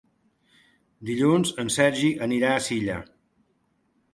Dilluns en Sergi anirà a Silla.